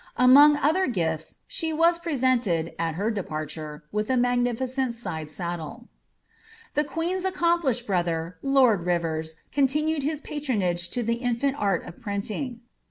Among other gifts, she was pro* aented, at her departure, with a magnificent side saddle.' The queen's accomplished brother, lord Rivers, continued his patron age to the infant art of printing.